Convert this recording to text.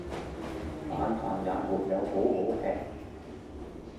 晚飯也沒有好好吃！